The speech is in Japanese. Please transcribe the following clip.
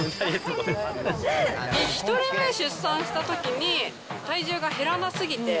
１人目出産したときに、体重が減らな過ぎて。